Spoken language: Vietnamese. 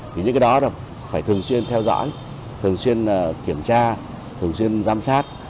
thì những cái đó phải thường xuyên theo dõi thường xuyên kiểm tra thường xuyên giám sát